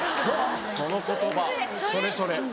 その言葉それそれ！